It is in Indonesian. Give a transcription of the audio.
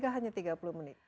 hanya tiga puluh menit